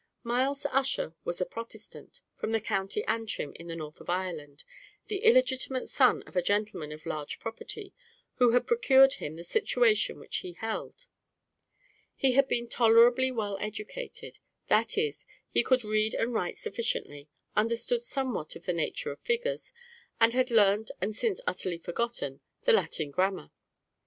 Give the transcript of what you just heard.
Myles Ussher was a Protestant, from the County Antrim in the north of Ireland, the illegitimate son of a gentleman of large property, who had procured him the situation which he held; he had been tolerably well educated; that is, he could read and write sufficiently, understood somewhat of the nature of figures, and had learnt, and since utterly forgotten, the Latin grammar.